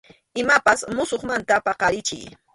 Imapas musuqmanta paqarichiy.